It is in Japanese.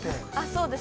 ◆そうです。